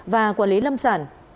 và quản lý lâm sản